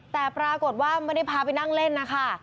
แต่ปรากฏว่าไม่ได้พาไปนั่งเล่นนะคะ